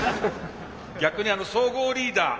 逆に総合リーダー。